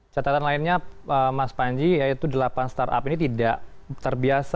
catatan lainnya mas panji yaitu delapan startup ini tidak terbiasa